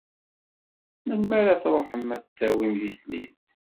Melmi ara truḥem ad d-tawim tislit?